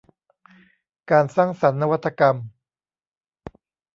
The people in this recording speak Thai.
การสร้างสรรค์นวัตกรรม